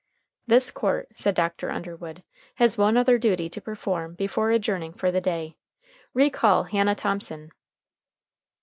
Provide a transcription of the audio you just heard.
"This court," said Dr. Underwood, "has one other duty to perform before adjourning for the day. Recall Hannah Thomson."